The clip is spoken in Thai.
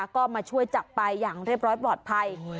ก็มาช่วยจับไปอย่างเรียบร้อยปลอดภัย